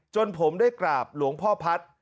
จนผมได้กราบหลวงพ่อพัฒน์